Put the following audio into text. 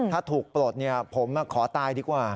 ถ้าถูกปลดผมขอตายดีกว่า